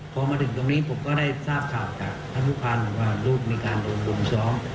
พอมาถึงตรงนี้ผมก็ได้ทราบข่าวจากท่านผู้พันธ์ว่าลูกมีการโดนรุมซ้อม